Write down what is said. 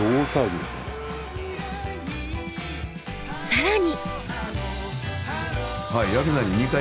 更に！